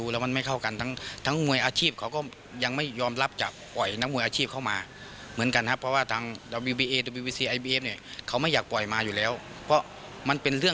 และก็ทางสาขนาชีพเขาไม่อยากมา